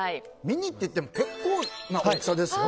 ミニといっても結構な大きさですよ。